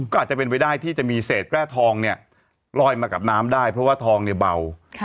ก็อาจจะเป็นไปได้ที่จะมีเศษแร่ทองเนี่ยลอยมากับน้ำได้เพราะว่าทองเนี่ยเบา